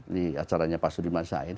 di acaranya pak sudirman said